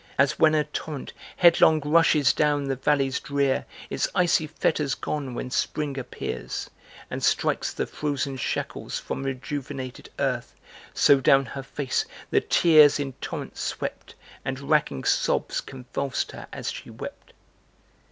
As when a torrent headlong rushes down the valleys drear, Its icy fetters gone when Sprint appears, And strikes the frozen shackles from rejuvenated earth So down her face the tears in torrents swept And wracking sobs convulsed her as she wept.